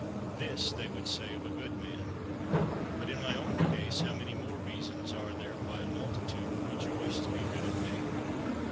This they would say of a good man. But, in my own case, how many more reasons are there why a multitude would rejoice to be rid of me?